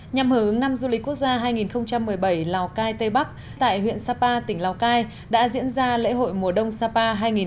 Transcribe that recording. nhằm hướng năm du lịch quốc gia hai nghìn một mươi bảy lào cai tây bắc tại huyện sapa tỉnh lào cai đã diễn ra lễ hội mùa đông sapa hai nghìn một mươi chín